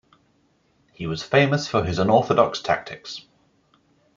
He was famous for his unorthodox tactics.